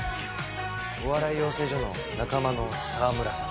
お笑い養成所の仲間の澤村さん